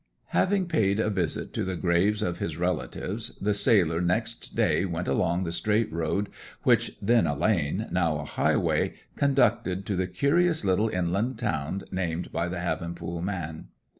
Having paid a visit to the graves of his relatives, the sailor next day went along the straight road which, then a lane, now a highway, conducted to the curious little inland town named by the Havenpool man.